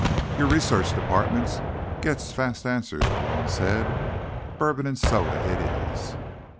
"Your research department gets fast answers," Malone said. "Bourbon and soda it is."